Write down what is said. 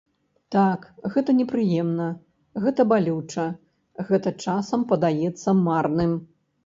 Так, гэта непрыемна, гэта балюча, гэта часам падаецца марным.